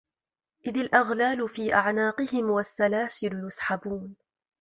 إِذِ الأَغلالُ في أَعناقِهِم وَالسَّلاسِلُ يُسحَبونَ